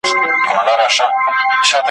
ډنبار، پر دې برسېره `